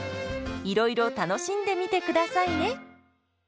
いろいろ楽しんでみてくださいね。